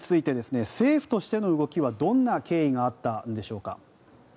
政府としての動きはどんな経緯があったんでしょうか。